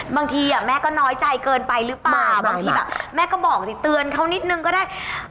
บางทีแม่ก็น้อยใจเกินไปหรือเปล่าบางทีแบบแม่ก็บอกสิเตือนเขานิดนึงก็ได้